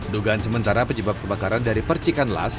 dugaan sementara penyebab kebakaran dari percikan las